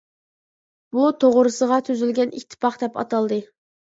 بۇ، «توغرىسىغا تۈزۈلگەن ئىتتىپاق» دەپ ئاتالدى.